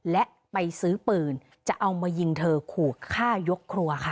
และไปซื้อปืนจะเอามายิงเธอขู่ฆ่ายกครัวค่ะ